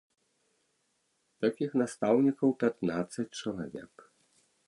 Такіх настаўнікаў пятнаццаць чалавек.